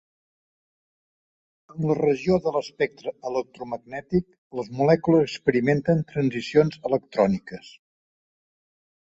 En la regió de l'espectre electromagnètic, les molècules experimenten transicions electròniques.